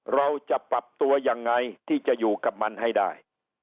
เราจะปรับตัวยังไงที่จะอยู่กับมันให้ได้